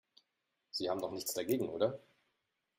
Sie haben doch nichts dagegen, oder?